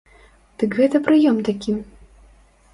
Дык гэта прыём такі.